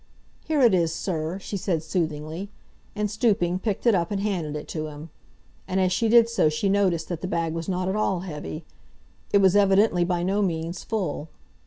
"Here it is, sir," she said soothingly, and, stooping, picked it up and handed it to him. And as she did so she noticed that the bag was not at all heavy; it was evidently by no means full.